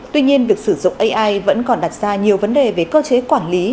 tuy nhiên việc sử dụng ai vẫn còn đặt ra nhiều vấn đề về cơ chế quản lý